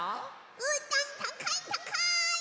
うーたんたかいたかい！